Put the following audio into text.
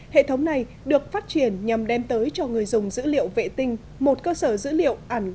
hệ thống này được phát triển nhằm đem tới cho người dùng dữ liệu vệ tinh một cơ sở dữ liệu ảnh